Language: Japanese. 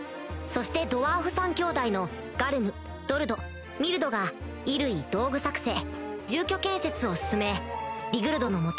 そしてドワーフ３兄弟のガルムドルドミルドが衣類道具作製住居建設を進めリグルドの下